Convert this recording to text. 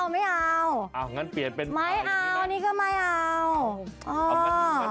ไม่เอาไม่เอานี่ก็ไม่เอา